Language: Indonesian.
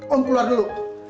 om keluar dulu